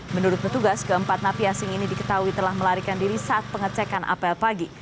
menurut petugas keempat napi asing ini diketahui telah melarikan diri saat pengecekan apel pagi